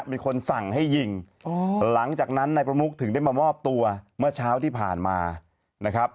มีคนสั่งให้ยิงหลังจากนั้นนายประมุกถึงได้มามอบตัวเมื่อเช้าที่ผ่านมานะครับ